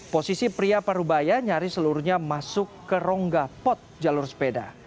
posisi pria parubaya nyaris seluruhnya masuk ke rongga pot jalur sepeda